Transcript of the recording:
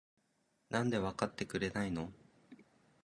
なんでわかってくれないの？？